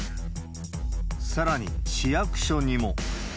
さらに、市役所にも。